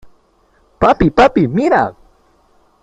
¡ papi !¡ papi , mira !